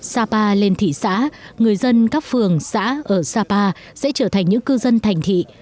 sapa lên thị xã người dân các phường xã ở sapa sẽ trở thành những cư dân thành thị